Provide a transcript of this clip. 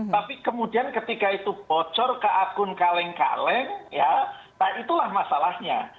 tapi kemudian ketika itu bocor ke akun kaleng kaleng ya nah itulah masalahnya